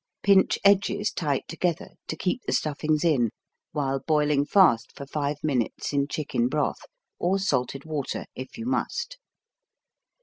Pinch edges tight together to keep the stuffings in while boiling fast for 5 minutes in chicken broth (or salted water, if you must).